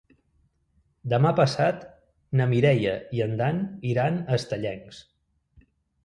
Demà passat na Mireia i en Dan iran a Estellencs.